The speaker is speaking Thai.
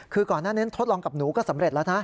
คือก่อนหน้านั้นทดลองกับหนูก็สำเร็จแล้วนะ